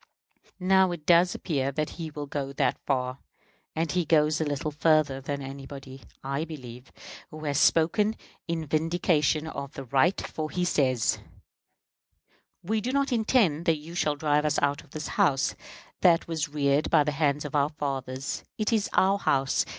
Now, it does appear that he will go that far; and he goes a little further than anybody, I believe, who has spoken in vindication of the right, for he says: "We do not intend that you shall drive us out of this House that was reared by the hands of our fathers. It is our House.